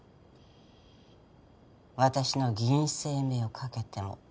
私の議員生命をかけても。